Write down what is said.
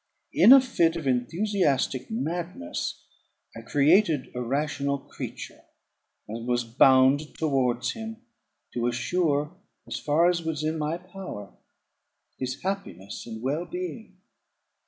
In a fit of enthusiastic madness I created a rational creature, and was bound towards him, to assure, as far as was in my power, his happiness and well being.